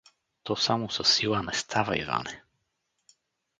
— То само със сила не става, Иване.